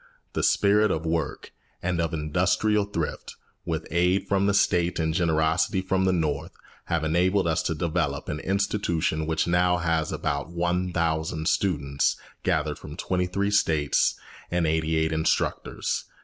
The spirit of work and of industrial thrift, with aid from the State and generosity from the North, have enabled us to develop an institution which now has about one thousand students, gathered from twenty three States, and eighty eight instructors.